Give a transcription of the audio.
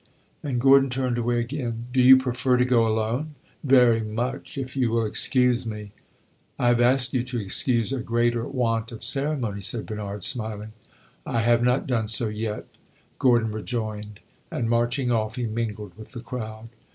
And Gordon turned away again. "Do you prefer to go alone?" "Very much if you will excuse me!" "I have asked you to excuse a greater want of ceremony!" said Bernard, smiling. "I have not done so yet!" Gordon rejoined; and marching off, he mingled with the crowd.